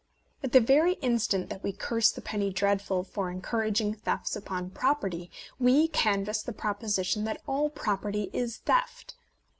At the very instant that we curse the Penny Dreadful for encour aging thefts upon property, we canvass the proposition that all property is theft.